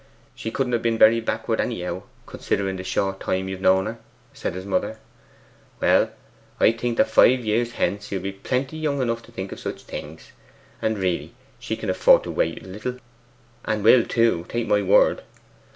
'She couldn't have been very backward anyhow, considering the short time you have known her,' said his mother. 'Well I think that five years hence you'll be plenty young enough to think of such things. And really she can very well afford to wait, and will too, take my word.